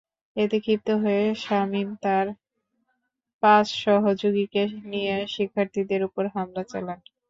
এতে ক্ষিপ্ত হয়ে শামীম তাঁর পাঁচ সহযোগীকে নিয়ে শিক্ষার্থীদের ওপর হামলা চালান।